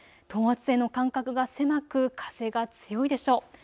等圧線の間隔が狭く風が強いでしょう。